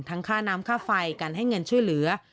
ค่าน้ำค่าไฟการให้เงินช่วยเหลือ